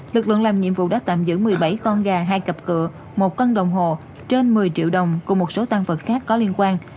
lực lượng làm nhiệm vụ đã tạm giữ một mươi bảy con gà hai cặp cửa một cân đồng hồ trên một mươi triệu đồng cùng một số tăng vật khác có liên quan